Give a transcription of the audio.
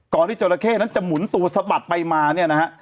ที่จราเข้นั้นจะหมุนตัวสะบัดไปมาเนี่ยนะฮะ